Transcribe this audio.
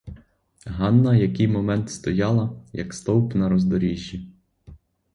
Ганна який момент стояла, як стовп на роздоріжжі.